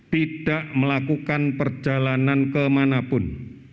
tidak melakukan perjalanan kemanapun